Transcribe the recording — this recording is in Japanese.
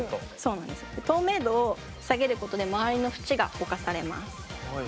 で透明度を下げることで周りの縁がボカされます。